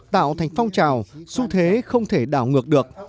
tạo thành phong trào xu thế không thể đảo ngược được